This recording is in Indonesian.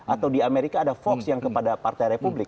atau di amerika ada hoax yang kepada partai republik